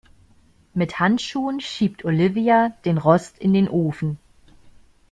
Mit Handschuhen schiebt Olivia den Rost in den Ofen.